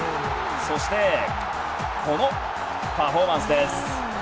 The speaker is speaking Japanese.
そしてこのパフォーマンスです。